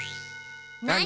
何？